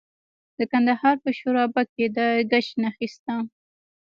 د کندهار په شورابک کې د ګچ نښې شته.